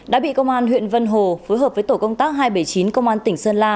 đã bị công an huyện vân hồ phối hợp với tổ công tác hai trăm bảy mươi chín công an tỉnh sơn la